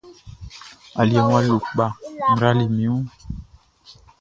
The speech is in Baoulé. Aliɛʼn wʼa lo kpa, n rali min wun.